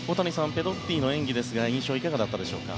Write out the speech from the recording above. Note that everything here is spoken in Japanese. ペドッティの演技ですが印象はいかがだったでしょうか。